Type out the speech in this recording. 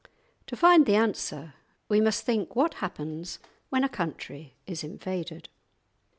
To find the answer we must think what happens when a country is invaded.